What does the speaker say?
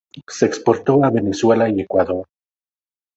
Se exportó a Venezuela y Ecuador.